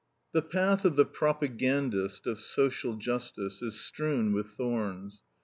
The path of the propagandist of social justice is strewn with thorns.